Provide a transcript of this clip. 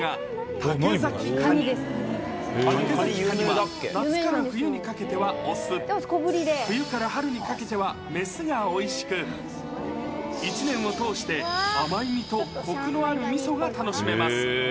竹崎カニは夏から冬にかけては雄、冬から春にかけては雌がおいしく、一年を通して、甘い身とこくのあるみそが楽しめます。